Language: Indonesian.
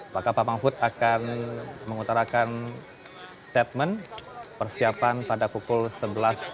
maka pak mahfud akan mengutarakan statement persiapan pada pukul sebelas siang nanti kita akan nantikan pemirsa